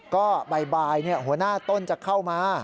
ก็บ่ายหัวหน้าต้นจะเข้ามา